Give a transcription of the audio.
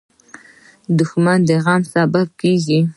• دښمني د غم سبب کېږي.